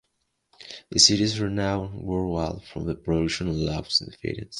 The city is renowned worldwide for the production of locks and fittings.